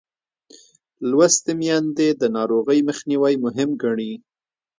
لوستې میندې د ناروغۍ مخنیوی مهم ګڼي.